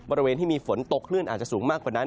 บริเวณที่มีฝนตกคลื่นอาจจะสูงมากกว่านั้น